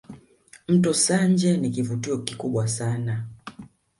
Mto Sanje ni kivutio kikubwa sana